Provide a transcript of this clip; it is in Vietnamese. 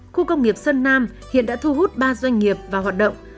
khu công nghiệp sơn nam hiện đã thu hút ba doanh nghiệp vào hoạt động